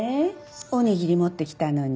おにぎり持ってきたのに。